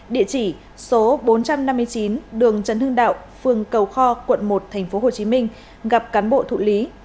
địa chỉ số bốn trăm năm mươi chín đường trần hưng đạo phường cầu kho quận một tp hcm gặp cán bộ thụ lý